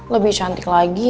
lebih cantik lagi